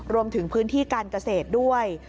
รวมถึงพื้นที่การเกษตรด้วย